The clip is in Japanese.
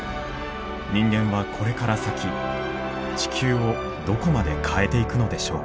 人間はこれから先地球をどこまで変えていくのでしょうか。